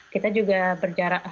kita juga berjalan